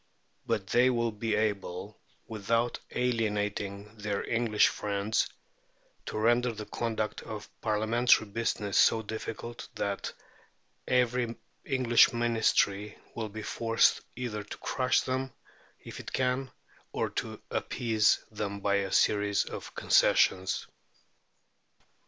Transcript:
But they will be able, without alienating their English friends, to render the conduct of Parliamentary business so difficult that every English Ministry will be forced either to crush them, if it can, or to appease them by a series of concessions.